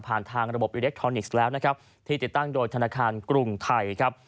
ทางระบบอิเล็กทรอนิกส์แล้วนะครับที่ติดตั้งโดยธนาคารกรุงไทยครับ